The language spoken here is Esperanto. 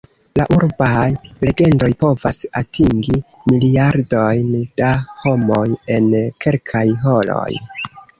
La urbaj legendoj povas atingi miliardojn da homoj en kelkaj horoj.